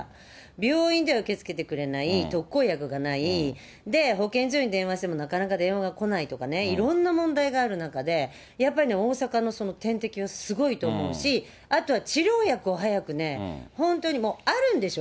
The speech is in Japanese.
病院では受け付けてくれない、特効薬がない、で、保健所に電話してもなかなか電話が来ないとかね、いろんな問題がある中で、やっぱりね、大阪のその点滴はすごいと思うし、あとは治療薬を早くね、本当にもう、あるんでしょ？